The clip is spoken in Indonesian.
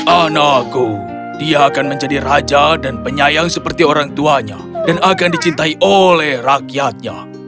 anakku dia akan menjadi raja dan penyayang seperti orang tuanya dan akan dicintai oleh rakyatnya